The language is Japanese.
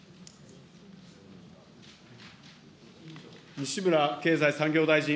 西村経済産業大臣。